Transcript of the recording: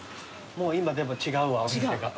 もう今でも違うわお店が。